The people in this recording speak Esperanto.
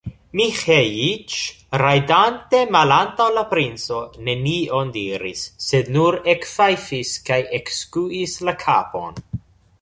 Miĥeiĉ, rajdante malantaŭ la princo, nenion diris, sed nur ekfajfis kaj ekskuis la kapon.